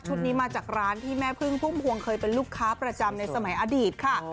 นี้มาจากร้านที่แม่พึ่งพุ่มพวงเคยเป็นลูกค้าประจำในสมัยอดีตค่ะ